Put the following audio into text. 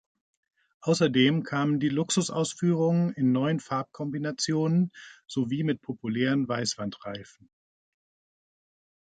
Außerdem kamen die Luxus-Ausführungen in neuen Farbkombinationen sowie mit populären Weißwandreifen.